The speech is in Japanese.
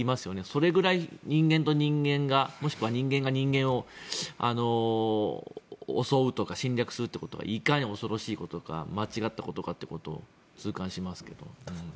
それくらい人間と人間がもしくは人間が人間を襲うとか侵略することがいかに恐ろしいことか間違ったことかということを痛感しますけれど。